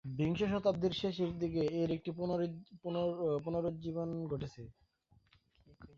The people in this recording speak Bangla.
বিংশ শতাব্দীর শেষের দিকে এর একটি পুনরুজ্জীবন ঘটেছে।